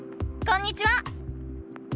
こんにちは！